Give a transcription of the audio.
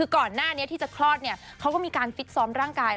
ก่อนหน้านี้ที่จะคลอดเขาก็มีการฟิตซ้อมร่างกาย